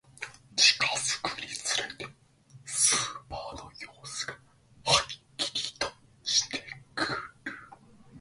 近づくにつれて、スーパーの様子がはっきりとしてくる